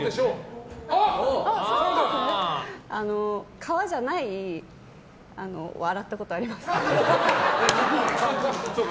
革じゃないのは洗ったことあります。